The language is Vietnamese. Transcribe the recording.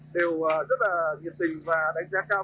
đều rất là nghiệp tình và đánh giá cao